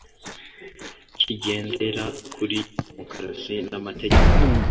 kigendera kuri Demokarasi n’amategeko